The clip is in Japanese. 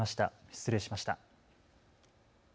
失礼しました。